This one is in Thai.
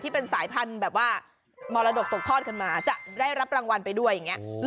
เป็นสายพันธุ์แบบว่ามรดกตกทอดกันมาจะได้รับรางวัลไปด้วยอย่างนี้